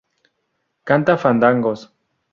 canta fandangos